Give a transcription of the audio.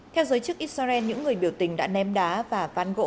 theo giới chức israel những người biểu tình đã ném đá và ván gỗ